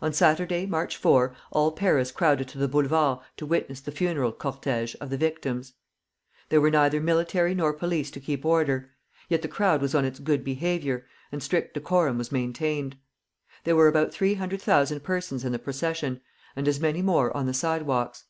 On Saturday, March 4, all Paris crowded to the Boulevards to witness the funeral cortège of the victims. There were neither military nor police to keep order; yet the crowd was on its good behavior, and strict decorum was maintained. There were about three hundred thousand persons in the procession, and as many more on the sidewalks.